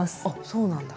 そうなんだ。